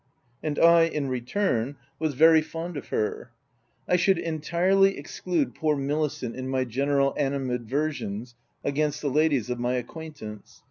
And I in return, was very fond of her — I should entirely exclude poor Milicent in my general animadversions against the ladies of my acquaintance.